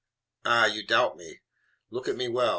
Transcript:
Ha! you doubt me: look at me well.